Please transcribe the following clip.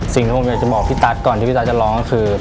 สิ่งที่ผมอยากจะบอกพี่ตั๊กก่อนที่พี่ตั๊กจะร้องก็คือ